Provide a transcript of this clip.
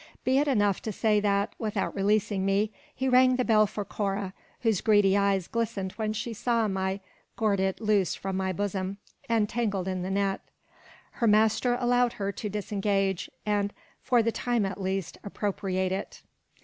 Be it enough to say that, without releasing me, he rang the bell for Cora, whose greedy eyes glistened when she saw my gordit loose from my bosom, and tangled in the net. Her master allowed her to disengage, and, for the time at least, appropriate it.